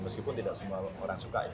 meskipun tidak semua orang suka ya